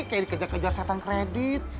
kayak dikejar kejar setan kredit